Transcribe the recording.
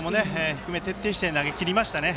低め徹底して投げきりましたね。